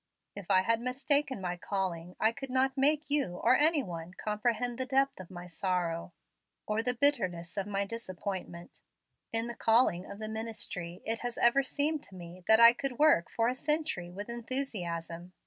If I have mistaken my calling I could not make you or any one comprehend the depth of my sorrow, or the bitterness of my disappointment In the calling of the ministry it has ever seemed to me that I could work a century with enthusiasm.